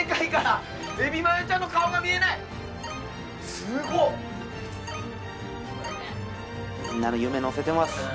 みんなの夢のせてます。